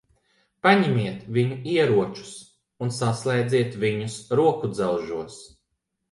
Paņemiet viņu ieročus un saslēdziet viņus rokudzelžos.